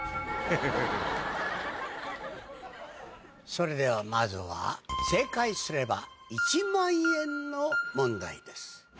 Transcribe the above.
それではまずは正解すれば１万円の問題です。